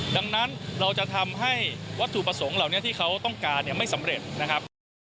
ดังนั้นเราจะทำให้วัตถุประสงค์เหล่านี้ที่เขาต้องการไม่สำเร็จนะครับ